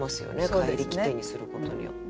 「帰りきて」にすることによって。